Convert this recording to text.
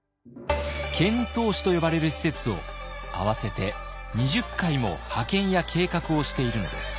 遣唐使と呼ばれる使節を合わせて２０回も派遣や計画をしているのです。